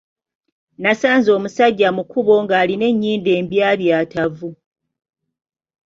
Nasisinkanye omusajja mu kkubo ng’alina ennyindo embyabyatavu.